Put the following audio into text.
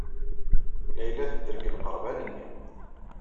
Layla tedder deg lqerban-nni.